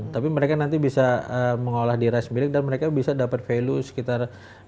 tapi mereka nanti bisa mengolah di rice milling dan mereka bisa dapat value sekitar sembilan ribu sepuluh ribu